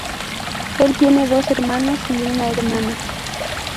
Él tiene dos hermanos y una hermana.